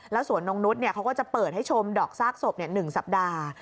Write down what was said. แล้วสวนนงนุษย์เนี่ยเขาก็จะเปิดให้ชมดอกซากศพเนี่ย๑สัปดาห์